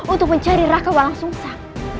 untuk mencari raka walang sungsang